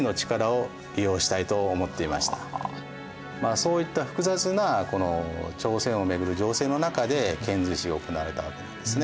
そういった複雑な朝鮮を巡る情勢の中で遣隋使が行われたわけなんですね。